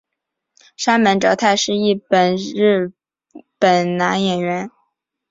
杉本哲太是一位日本男演员。